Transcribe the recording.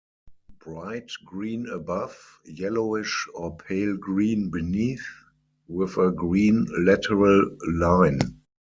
Bright green above; yellowish or pale green beneath, with a green lateral line.